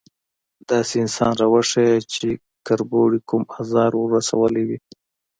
_داسې انسان راوښيه چې کربوړي کوم ازار ور رسولی وي؟